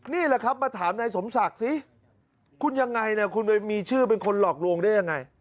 นี่แหละครับมาถามนายสมศักดิ์สิคุณยังไงเนี่ยคุณไปมีชื่อเป็นคนหลอกลวงได้ยังไง